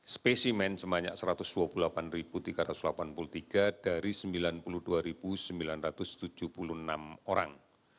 spesimen sebanyak satu ratus dua puluh delapan tiga ratus delapan puluh tiga dari sembilan puluh dua sembilan ratus tujuh puluh enam orang